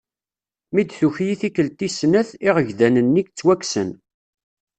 Mi d-tuki i tikelt tis snat iɣegdan-nni ttwaksen.